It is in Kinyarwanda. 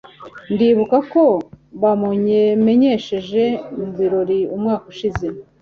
Ndibuka ko bamumenyesheje mu birori umwaka ushize.